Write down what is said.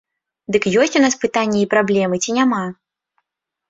Дык ёсць у нас пытанні і праблемы, ці няма?